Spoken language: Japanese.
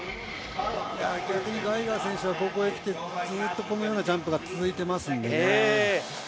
逆にガイガー選手はここに来てずっとこのようなジャンプが続いていますので。